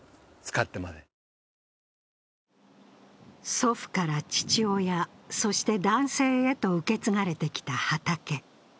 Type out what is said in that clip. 祖父から父親、そして男性へと受け継がれてきた畑。